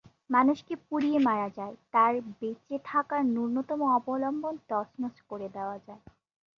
মানুষকে পুড়িয়ে মারা যায়, তার বেঁচে থাকার ন্যূনতম অবলম্বন তছনছ করে দেওয়া যায়।